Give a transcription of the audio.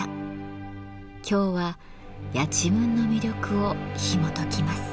今日はやちむんの魅力をひもときます。